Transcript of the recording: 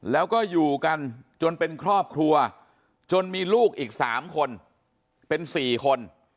แล้วก็อยู่กันจนเป็นครอบครัวจนมีลูกอีก๓คนเป็น๔คน